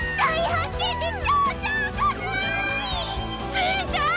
じいちゃん！